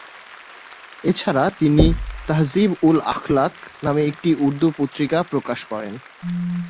এছাড়া তিনি ‘তাহজিব-উল-আখলাক’ নামে একটি উর্দু পত্রিকা প্রকাশ করেন।